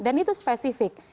dan itu spesifik